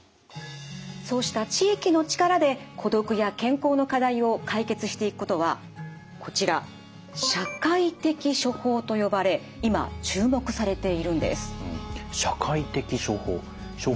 そうした地域の力で孤独や健康の課題を解決していくことはこちら「社会的処方」と呼ばれ今注目されているんです。